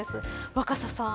若狭さん